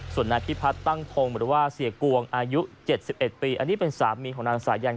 ส่วนนายพิพัฒน์ตั้งพงศ์หรือว่าเสียกวงอายุ๗๑ปีอันนี้เป็นสามีของนางสายัน